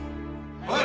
はい！